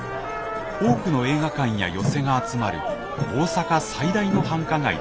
多くの映画館や寄席が集まる大阪最大の繁華街です。